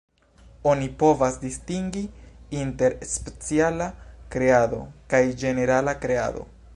Oni povas distingi inter 'speciala kreado' kaj ĝenerala kreado.